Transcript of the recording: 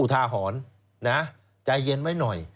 อุทาหอนนะใจเย็นไว้หน่อย